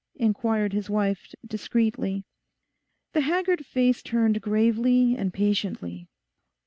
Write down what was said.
inquired his wife discreetly. The haggard face turned gravely and patiently.